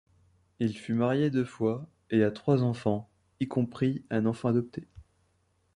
Il fut marié deux fois et a trois enfants y compris un enfant adopté.